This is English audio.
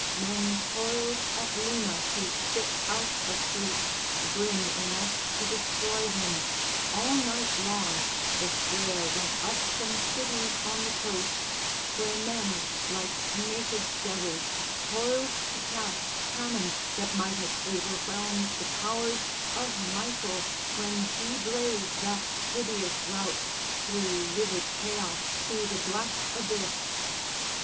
Men toiled at Lima to fit out a fleet Grim enough to destroy him. All night long The flare went up from cities on the coast Where men like naked devils toiled to cast Cannon that might have overwhelmed the powers Of Michael when he drave that hideous rout Through livid chaos to the black abyss.